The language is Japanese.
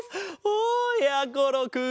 おやころくん。